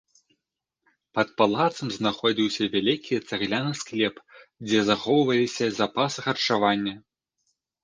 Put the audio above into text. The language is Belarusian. Пад палацам знаходзіўся вялікі цагляны склеп, дзе захоўваліся запасы харчавання.